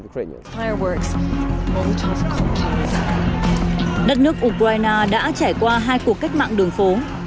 cuộc cách mạng đường phố đã trải qua hai cuộc cách mạng đường phố